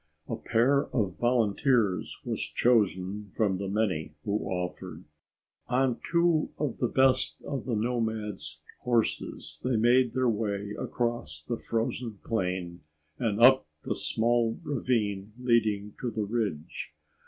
A pair of volunteers was chosen from the many who offered. On two of the best of the nomads' horses, they made their way across the frozen plain and up the small ravine leading to the ridge.